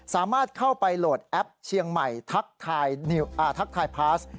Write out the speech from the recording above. สามารถเข้าไปโหลดแอปเชียงใหม่ทักทายพาส